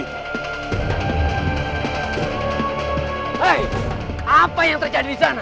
hei apa yang terjadi di sana